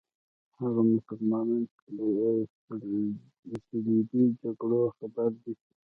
هغه مسلمانان چې له صلیبي جګړو خبر دي.